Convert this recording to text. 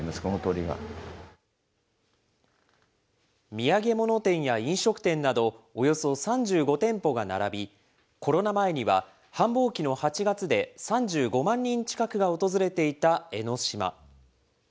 土産物店や飲食店など、およそ３５店舗が並び、コロナ前には繁忙期の８月で、３５万人近くが訪れていた江の島。